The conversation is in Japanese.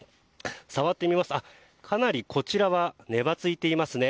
触ってみますと、かなりこちらは粘ついていますね。